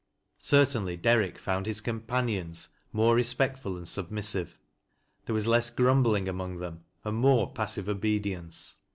Certainly Derrick found his companioni more respectful and submissive. There was less grum bling among them and more passive obedience.